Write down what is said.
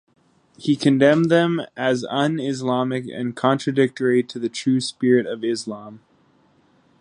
He condemned them as un-Islamic and contradictory to the true spirit of Islam.